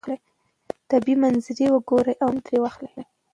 طبیعي منظرې وګورئ او خوند ترې واخلئ.